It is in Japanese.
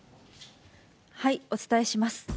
お伝えします。